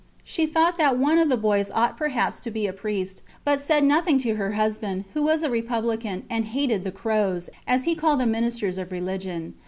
She thought that one of the boys ought perhaps to be a priest, but said nothing to her husband, who was a republican, and hated the crows, as he called the ministers of religion.